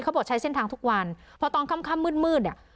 บอกใช้เส้นทางทุกวันพอตอนค่ำค่ำมืดมืดเนี่ย